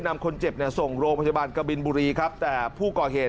นำคนเจ็บเนี่ยส่งโรงพยาบาลกบินบุรีครับแต่ผู้ก่อเหตุ